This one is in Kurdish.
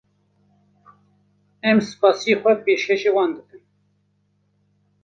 Em spasiyên xwe pêşkeşî wan dikin.